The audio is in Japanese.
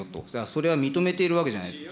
それは認めているわけじゃないですか。